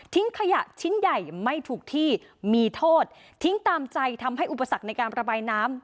ขยะชิ้นใหญ่ไม่ถูกที่มีโทษทิ้งตามใจทำให้อุปสรรคในการระบายน้ำ